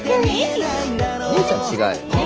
姉ちゃん違うよね？